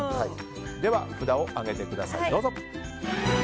では札を上げてください。